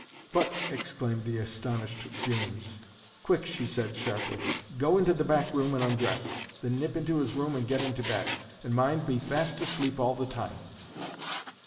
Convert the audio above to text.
"But—" exclaimed the astonished James. "Quick!" she said, sharply. "Go into the back room and undress, then nip into his room and get into bed. And mind, be fast asleep all the time."